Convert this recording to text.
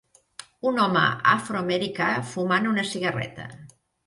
Un home afroamericà fumant una cigarreta.